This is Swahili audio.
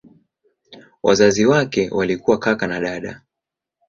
Wazazi wake walikuwa kaka na dada.